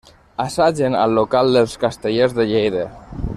Assagen al local dels Castellers de Lleida.